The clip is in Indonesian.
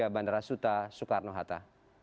terminal tiga bandara suta soekarno hatta